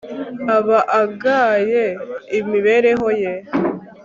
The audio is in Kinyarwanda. aba agaye imibereho ye